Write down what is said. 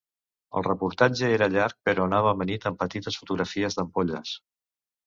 El reportatge era llarg però anava amanit amb petites fotografies d'ampolles.